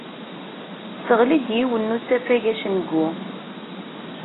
Tesseɣli-d yiwen n usafag acengu.